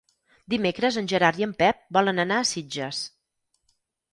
Dimecres en Gerard i en Pep volen anar a Sitges.